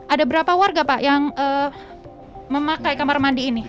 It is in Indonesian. ada berapa warga pak yang memakai kamar mandi ini